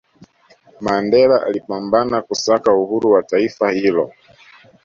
mandela alipambana kusaka uhuru wa taifa hilo